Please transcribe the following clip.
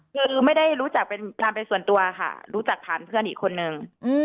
คือไม่ได้รู้จักเป็นทำเป็นส่วนตัวค่ะรู้จักผ่านเพื่อนอีกคนนึง